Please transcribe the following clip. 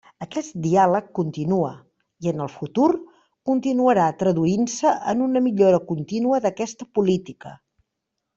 Aquest diàleg continua i, en el futur, continuarà traduint-se en una millora contínua d'aquesta política.